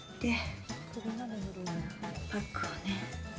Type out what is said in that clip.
パックをね。